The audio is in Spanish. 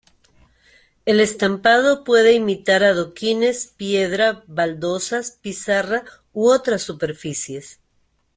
El estampado puede imitar adoquines, piedra, baldosas, pizarra u otras superficies.